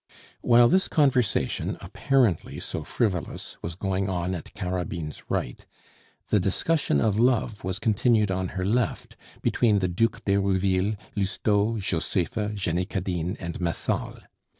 While this conversation, apparently so frivolous, was going on at Carabine's right, the discussion of love was continued on her left between the Duc d'Herouville, Lousteau, Josepha, Jenny Cadine, and Massol.